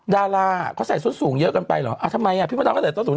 ดาราเป็นใช้ส้นสูงเยอะกันไปเหรออะทำไมพี่พัดำก็ใส่ส้นสูงกันไป